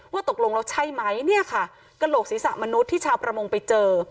ตกลงแล้วใช่ไหมเนี่ยค่ะกระโหลกศีรษะมนุษย์ที่ชาวประมงไปเจอ